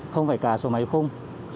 không phải cà sổ máy khung